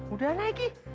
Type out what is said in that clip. udah naik i